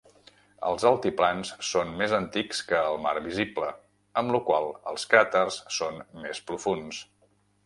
Els altiplans són més antics que el mar visible, amb lo qual els cràters són més profunds.